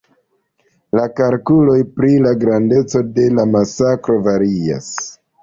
La kalkuloj pri la grandeco de la masakro varias.